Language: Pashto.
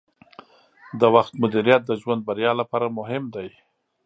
د وخت مدیریت د ژوند بریا لپاره مهم دی.